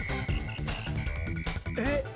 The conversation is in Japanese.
えっ⁉